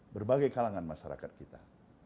berbagai kalangan masyarakat kita